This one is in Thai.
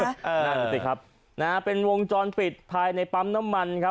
นั่นสิครับนะฮะเป็นวงจรปิดภายในปั๊มน้ำมันครับ